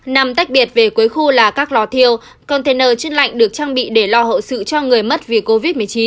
nằm tách biệt về cuối khu là các lò thiêu container trên lạnh được trang bị để lo hậu sự cho người mất vì covid một mươi chín